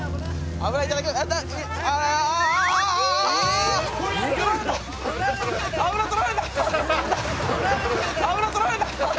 油取られた。